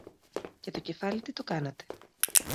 Και το κεφάλι τι το κάνατε;